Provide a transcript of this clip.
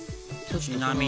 ちなみに。